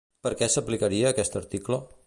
Per què s'aplicaria aquest article?